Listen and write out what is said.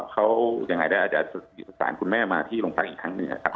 เขาจะอาจจะสั่งคุณแม่มาที่โรงพักษณ์อีกครั้งหนึ่งครับ